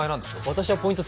私はポイント